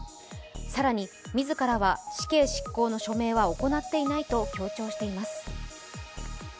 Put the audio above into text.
更に、自らは死刑執行の署名は行っていないと強調しています。